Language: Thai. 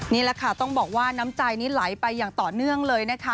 นี่แหละค่ะต้องบอกว่าน้ำใจนี้ไหลไปอย่างต่อเนื่องเลยนะคะ